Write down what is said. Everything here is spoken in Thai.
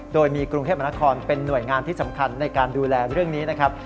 โดยมีกรุงเทพมนาคอนเป็นหน่วยงานที่สำคัญในการดูแลเรื่องนี้นะครับ